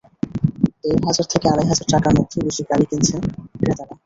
দেড় হাজার থেকে আড়াই হাজার টাকার মধ্যে বেশি শাড়ি কিনছেন ক্রেতারা।